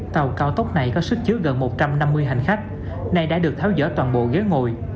tàu cao tốc này có sức chứa gần một trăm năm mươi hành khách này đã được tháo dỡ toàn bộ ghế ngồi